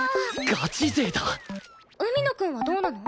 ガチ勢だ海野くんはどうなの？